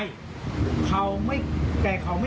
ออกมาแก้ตัว